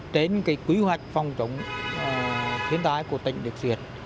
trên quy hoạch phòng chủng thiên tai của tỉnh điệp duyệt